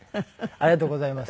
ありがとうございます。